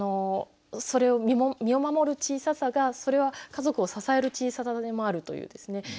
で身を守る小ささがそれは家族を支える小ささでもあるというですね